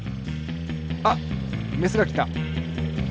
あっメスがきた！